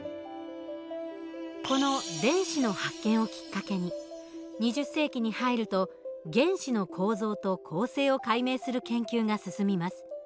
この電子の発見をきっかけに２０世紀に入ると原子の構造と構成を解明する研究が進みます。